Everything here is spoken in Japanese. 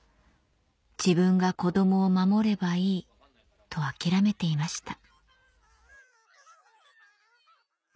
自分が子どもを守ればいいと諦めていました